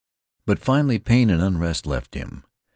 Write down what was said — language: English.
But finally pain and unrest left him.